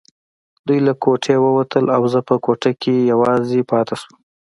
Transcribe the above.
دوی له کوټې ووتل او زه په کوټه کې یوازې پاتې شوم.